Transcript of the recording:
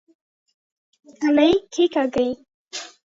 تڼي کېکاږئ